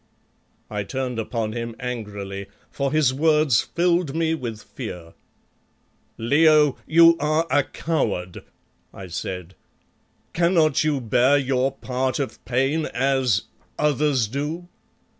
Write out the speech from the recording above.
I turned upon him angrily, for his words filled me with fear. "Leo, you are a coward!" I said. "Cannot you bear your part of pain as others do?"